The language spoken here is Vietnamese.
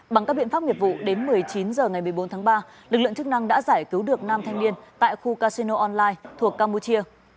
bằng các biện pháp nghiệp vụ đến một mươi chín h ngày một mươi bốn tháng ba lực lượng chức năng đã giải cứu được năm thanh niên tại khu casino online thuộc campuchia